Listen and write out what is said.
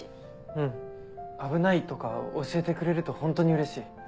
うん危ないとか教えてくれるとホントにうれしい。